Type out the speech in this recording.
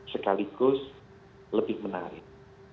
sekaligus lebih menarik